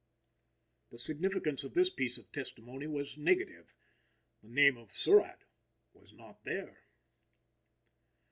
The significance of this piece of testimony was negative. The name of Surratt was not there.